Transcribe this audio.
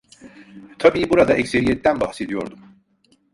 Tabiî burada ekseriyetten bahsediyorum.